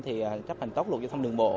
thì cấp hành tốc lục cho thăm đường bộ